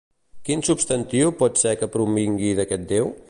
Quin substantiu pot ser que provingui d'aquest déu?